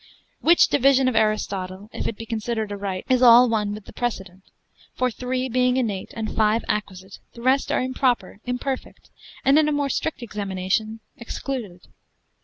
Which division of Aristotle (if it be considered aright) is all one with the precedent; for three being innate, and five acquisite, the rest are improper, imperfect, and in a more strict examination excluded.